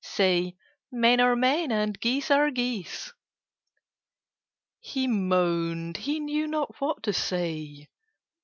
Say 'Men are Men, and Geese are Geese.'" He moaned: he knew not what to say.